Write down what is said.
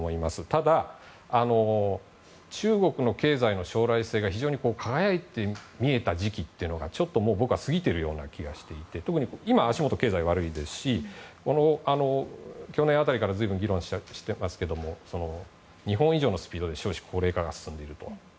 ただ、中国の経済の将来性が非常に輝いて見えた時期はちょっともう僕は過ぎてるような気がしていて特に今、経済が悪いですし去年辺りから随分議論していますけど日本以上のスピードで少子高齢化が進んでいると。